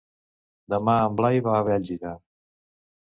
Demà en Blai va a Bèlgida.